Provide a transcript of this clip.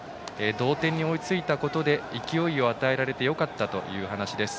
同点に追いついたことで勢いを与えられてよかったという話です。